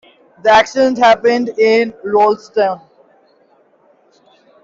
The accident happened in Rolleston.